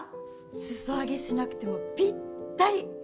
裾上げしなくてもぴったり！